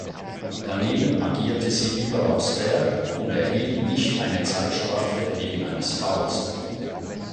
Daneben agierte sie überaus fair und erhielt nicht eine Zeitstrafe wegen eines Fouls.